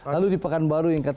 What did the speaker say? lalu di pekanbaru yang kata ya